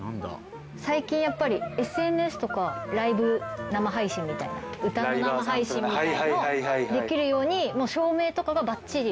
最近やっぱりＳＮＳとかライブ生配信みたいな歌の生配信みたいのをできるようにもう照明とかがばっちり。